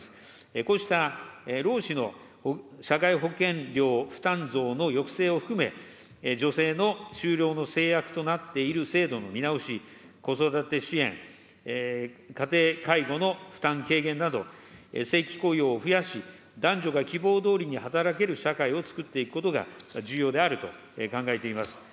こうした労使の社会保険料負担増の抑制を含め、女性の就労の制約となっている制度の見直し、子育て支援、家庭介護の負担軽減など、正規雇用を増やし、男女が希望どおりに働ける社会をつくっていくことが重要であると考えています。